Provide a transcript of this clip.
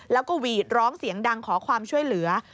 แล้วก็หวีดร้องเสียงดังขอความช่วยเหลือ